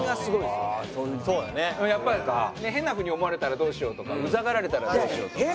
やっぱり変な風に思われたらどうしようとかうざがられたらどうしようとか。